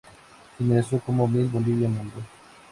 Finalizó como Miss Bolivia Mundo.